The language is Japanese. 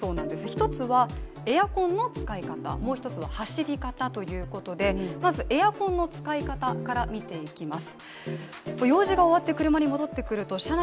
１つはエアコンの使い方、もう一つは走り方ということでまずエアコンの使い方から見ていきます。